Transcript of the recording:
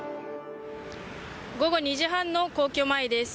午後２時半の皇居前です。